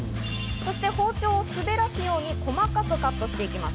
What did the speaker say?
そして包丁を滑らすように細かくカットしていきます。